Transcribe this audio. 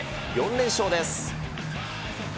４連勝です。